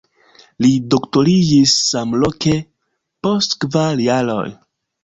Li doktoriĝis samloke post kvar jaroj.